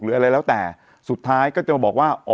อะไรแล้วแต่สุดท้ายก็จะมาบอกว่า